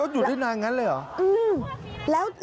หยุดได้นานอย่างนั้นเลยหรือ